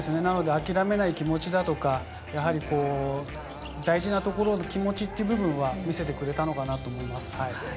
諦めない気持ちだとか、大事なところで気持ちという部分は見せてくれたのかなと思います。